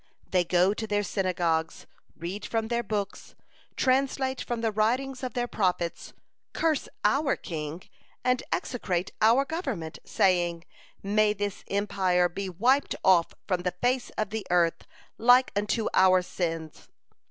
They go to their synagogues, read from their books, translate from the writings of their Prophets, curse our king, and execrate our government, saying: 'May this empire be wiped off from the face of the earth like unto our sins.'